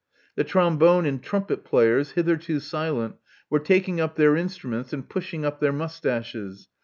The trombone and trumpet players, hitherto silent, were taking up their instruments and pushing up their moustaches.